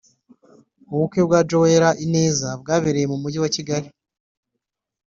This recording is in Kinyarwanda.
ubukwe na Joella Ineza bwabereye mu mujyi wa Kigali